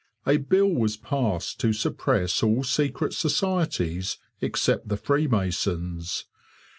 A bill was passed to suppress all secret societies except the Freemasons.